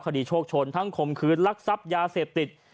คดีโชคชนทั้งคมคืนลักทรัพย์ยาเสพติด